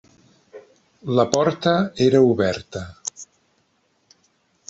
La porta era oberta.